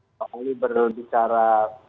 pak uli berbicara